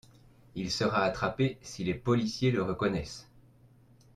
Il sera attrapé si les policiers le reconnaisse.